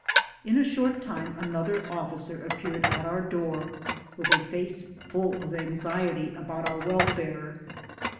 In a short time another officer appeared at our door with a face full of anxiety about our welfare.